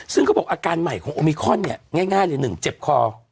ซึ่งเขาบอกอาการใหม่ของโอมิคอนเนี่ยง่ายเลย๑เจ็บคอ